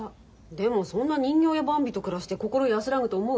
でもそんな人形やバンビと暮らして心安らぐと思う？